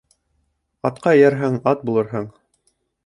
Атҡа эйәрһәң, ат булырһың